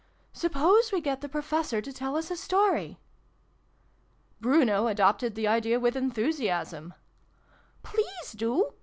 " Suppose we get the Professor to tell us a story." Bruno adopted the idea with enthusiasm. " Please do